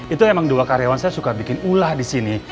itu emang dua karyawan saya suka bikin ulah di sini